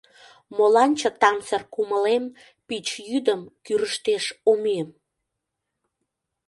Молан чытамсыр кумылем Пич йӱдым кӱрыштеш омем?